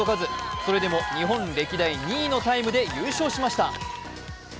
それでも日本歴代２位のタイムで優勝しました。